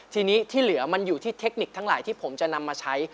ทีนี้ที่เหลือมันอยู่ที่เทคนิคทั้งหลายที่ผมจะนำมาใช้